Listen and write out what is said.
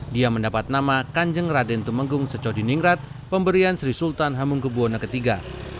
dia mendapat nama kanjeng raden tumenggung secodiningrat pemberian sri sultan hamengkebuwono iii